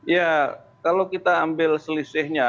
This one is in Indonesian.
ya kalau kita ambil selisihnya